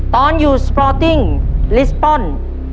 ตอนอยู่สปอร์ติงรีสต์ปอนต์